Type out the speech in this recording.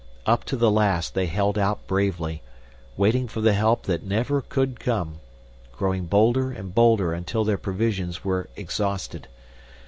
Up to the last they held out bravely, waiting for the help that never could come growing bolder and bolder until their provisions were exhausted.